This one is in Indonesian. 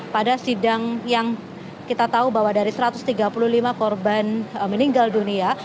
pada sidang yang kita tahu bahwa dari satu ratus tiga puluh lima korban meninggal dunia